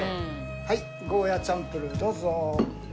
はいゴーヤチャンプルーどうぞ。